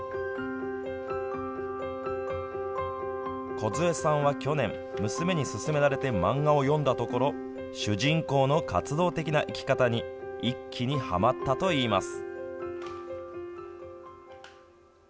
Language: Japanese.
こずえさんは去年、娘に勧められて漫画を読んだところ主人公の活動的な生き方に一気に、はまったと言います。